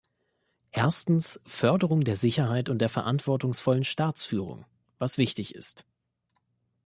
Erstens, Förderung der Sicherheit und der verantwortungsvollen Staatsführung, was wichtig ist.